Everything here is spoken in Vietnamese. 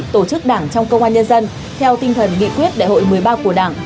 tổ chức đảng trong công an nhân dân theo tinh thần nghị quyết đại hội một mươi ba của đảng